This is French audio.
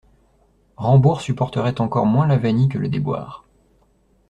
Rambourg supporterait encore moins l'avanie que le déboire.